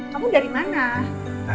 kamu dari mana